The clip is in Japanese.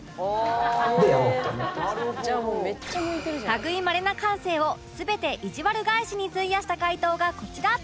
類いまれな感性を全ていじわる返しに費やした回答がこちら